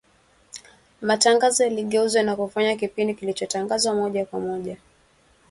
matangazo yaligeuzwa na kufanywa kipindi kilichotangazwa moja kwa moja,